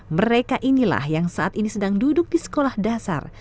mereka inilah yang saat ini sedang duduk di sekolah dasar